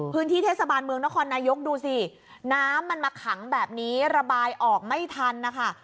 พื้นที่เทศบาลเมืองนครนายกดูสิน้ำมันมาขังแบบนี้ระบายออกไม่ทันนะคะ